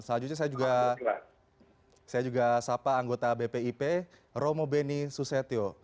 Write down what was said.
selanjutnya saya juga sapa anggota bpip romo beni susetio